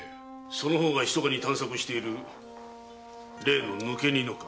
その方が秘かに探索している例の抜け荷のか。